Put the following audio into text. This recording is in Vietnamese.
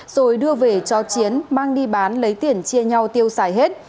rồi đưa về cho chiến mang đi bán lấy tiền chia nhau tiêu xài hết